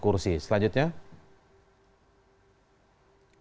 kemudian metode pemilihan